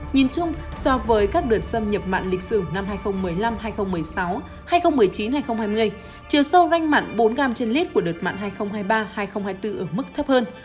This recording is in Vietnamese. nhìn chung so với các đợt xâm nhập mặn lịch sử năm hai nghìn một mươi năm hai nghìn một mươi sáu hai nghìn một mươi chín hai nghìn hai mươi chiều sâu ranh mặn bốn gram trên lít của đợt mặn hai nghìn hai mươi ba hai nghìn hai mươi bốn ở mức thấp hơn